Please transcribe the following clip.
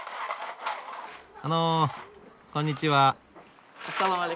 あのこんにちは。